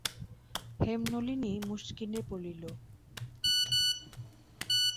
হেমনলিনী মুশকিলে পড়িল।